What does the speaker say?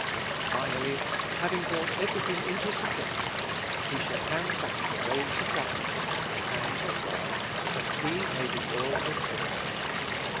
Finally, having brought every thing into subjection, he shall hand back the reins of government into the hands of God, that "he may be all in all."